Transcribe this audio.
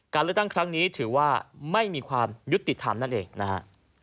เลือกตั้งครั้งนี้ถือว่าไม่มีความยุติธรรมนั่นเองนะฮะ